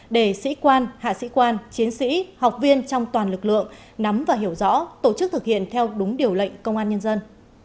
để sĩ quan hạ sĩ quan chiến sĩ học viên trong toàn lực lượng nắm và hiểu rõ tổ chức thực hiện theo đúng điều lệnh công an nhân dân